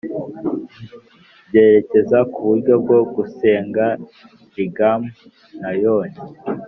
byerekeza ku buryo bwo gusenga lingam na yoni